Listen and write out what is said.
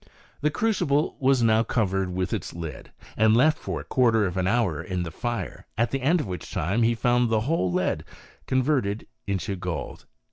The crucible was now covered with its lid, and left for a quarter of an hour in the fire, at the end of which time he found the whole lead converted into gold.